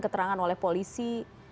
keterangan oleh polisi